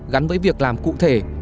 gắn với việc làm cụ thể